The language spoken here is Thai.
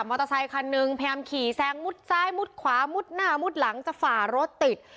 อเตอร์ไซคันหนึ่งพยายามขี่แซงมุดซ้ายมุดขวามุดหน้ามุดหลังจะฝ่ารถติด